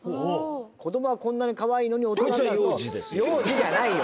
子どもはこんなかわいいのに大人になるとハハハ幼児じゃないよ